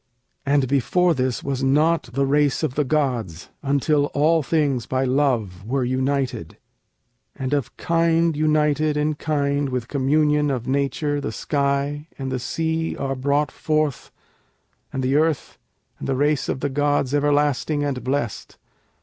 And before this was not the race of the gods, until all things by Love were united: And of kind united in kind with communion of nature the sky and the sea are Brought forth, and the earth, and the race of the gods everlasting and blest.